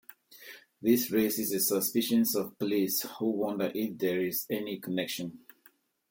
This raises the suspicions of police, who wonder if there is any connection.